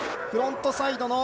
フロントサイド７２０。